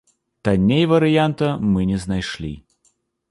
Танней варыянта мы не знайшлі.